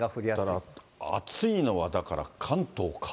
だから、暑いのはだから、関東か。